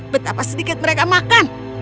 betapa sedikit mereka makan